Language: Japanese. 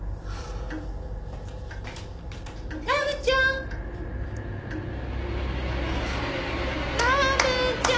ラムちゃん。